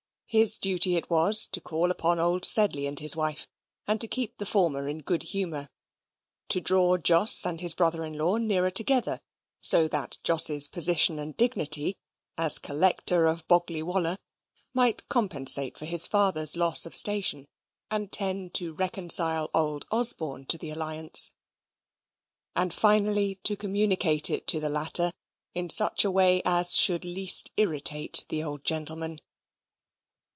His duty it was to call upon old Sedley and his wife, and to keep the former in good humour: to draw Jos and his brother in law nearer together, so that Jos's position and dignity, as collector of Boggley Wollah, might compensate for his father's loss of station, and tend to reconcile old Osborne to the alliance: and finally, to communicate it to the latter in such a way as should least irritate the old gentleman.